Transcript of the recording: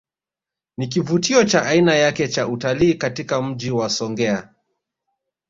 Ni kivutio cha aina yake cha utalii katika Mji wa Songea